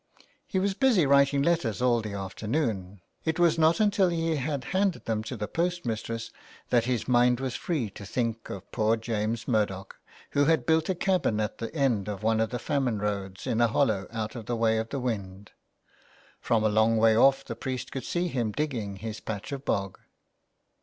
He was busy writing letters all the afternoon ; it was not until he had handed them to the post mistress that his mind was free to think of poor James Murdoch, who had built a cabin at the end of one of the famine roads in a hollow out of the way of the wind. From a long way off the priest could see him digging his patch of bog.